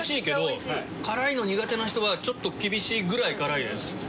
靴い韻辛いの苦手な人はちょっと厳しいぐらい辛いです。